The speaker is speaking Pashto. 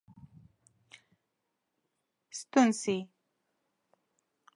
ستون سي.